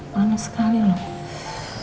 itu papa kenapa tiba tiba pergi ke malang sih ma